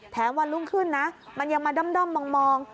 วันรุ่งขึ้นนะมันยังมาด้อมมอง